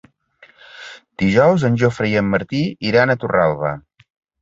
Dijous en Jofre i en Martí iran a Torralba.